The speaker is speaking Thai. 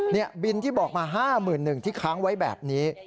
เนี่ยบินที่บอกมา๕หมื่นหนึ่งที่ค้างไว้แบบนี้